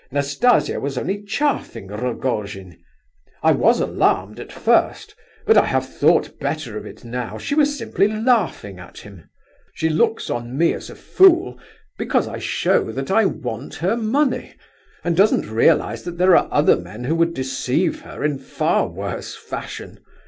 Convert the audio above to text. Nastasia was only chaffing Rogojin. I was alarmed at first, but I have thought better of it now; she was simply laughing at him. She looks on me as a fool because I show that I meant her money, and doesn't realize that there are other men who would deceive her in far worse fashion.